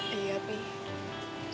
kamu masih bisa berpikir pikir sama mama